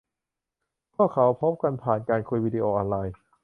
พวกเขาพบกันผ่านการคุยวีดีโอออนไลน์